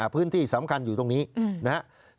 พื้นที่สำคัญอยู่ตรงนี้นะครับ